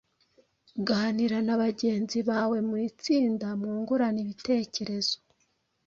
Ganira na bagenzi bawe mu itsinda mwungurane ibitekerezo